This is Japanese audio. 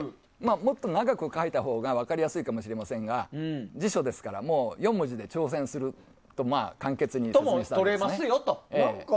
もっと長く書いたほうが分かりやすいかもしれませんが辞書ですから、４文字で挑戦するそのように簡潔に説明したんです。